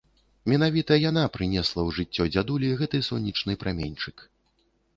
Менавіта яна прынесла ў жыццё дзядулі гэты сонечны праменьчык.